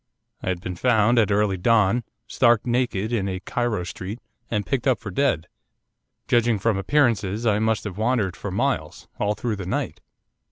I had been found, at early dawn, stark naked, in a Cairo street, and picked up for dead. Judging from appearances I must have wandered for miles, all through the night.